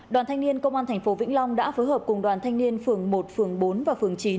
đoàn thanh niên công an tp vĩnh long đã phối hợp cùng đoàn thanh niên phường một phường bốn và phường chín